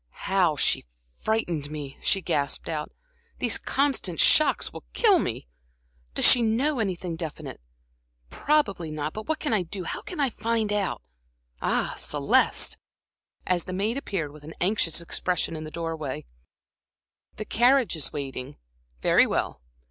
"How she frightened me!" she gasped out. "These constant shocks will kill me. Does she know anything definite? Probably not. But what can I do, how can I find out? Ah, Celeste!" as the maid appeared with an anxious expression in the door way. "The carriage is waiting? Very well."